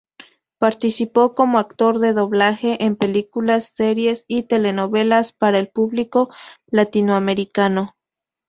Participó como actor de doblaje en películas, series y telenovelas para el público latinoamericano.